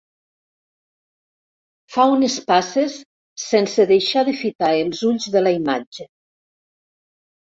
Fa unes passes sense deixar de fitar els ulls de la imatge.